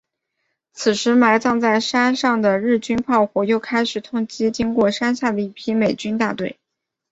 此时埋藏在山上的日军炮火又开始痛击经过山下的一批美军大队。